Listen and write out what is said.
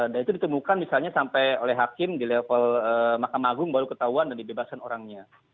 dan itu ditemukan misalnya sampai oleh hakim di level makam agung baru ketahuan dan dibebaskan orangnya